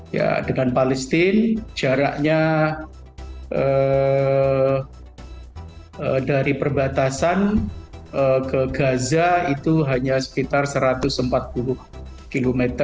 ya dengan palestine jaraknya dari perbatasan ke gaza itu hanya sekitar satu ratus empat puluh km